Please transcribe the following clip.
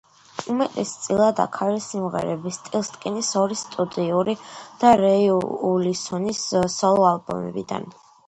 უმეტეს წილად აქ არის სიმღერები სტილტსკინის ორი სტუდიური და რეი უილსონის სოლო ალბომებიდან.